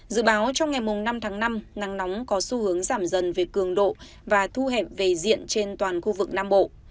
dự báo trong ngày năm tháng năm nắng nóng có xu hướng giảm dần về cường độ và thu hẹp về diện trên toàn khu vực nam bộ